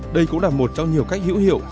đây cũng là một trong nhiều cách hữu hiệu